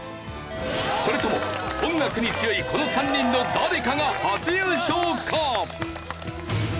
それとも音楽に強いこの３人の誰かが初優勝か？